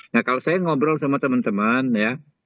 nah kalau saya ngobrol sama teman teman ya